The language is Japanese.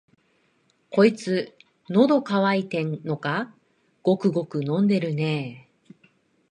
こいつ、のど渇いてんのか、ごくごく飲んでるね。